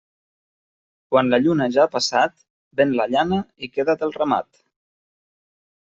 Quan la lluna ja ha passat, ven la llana i queda't el ramat.